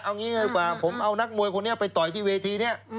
เอางี้ไงกว่าผมเอานักมวยคนนี้ไปต่อยที่เวทีนี้